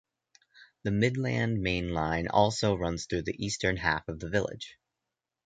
The Midland Main Line also runs through the eastern half of the village.